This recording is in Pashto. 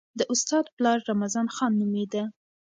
د استاد پلار رمضان خان نومېده.